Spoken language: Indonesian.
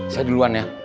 saya duluan ya